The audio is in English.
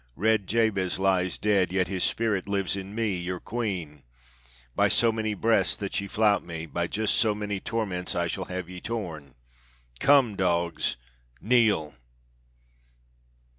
Red Jabez lies dead: yet his spirit lives in me, your queen. By so many breaths that ye flout me, by just so many torments shall I have ye torn. Come, dogs. Kneel!"